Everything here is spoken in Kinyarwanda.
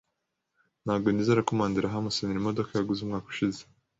Ntabwo nizera ko Mandera aha Musonera imodoka yaguze umwaka ushize.